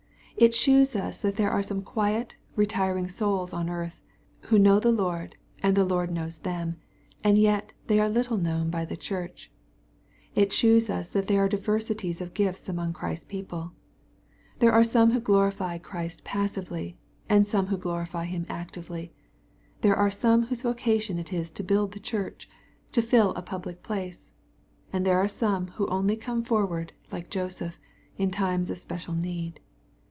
It shews us that there are some quiet, retiring souls on earth, who know the Lord, and the Lord knows them, and yet they are little known by the church. It shews us that there are diversities of gifts among Christ's people. There are some who glorify Christ passively, and some who glorify Him actively. There are some whose voca tion it is to build the Church, and fill a public place, and there are some who oiily come forward, like Joseph, in times of special need.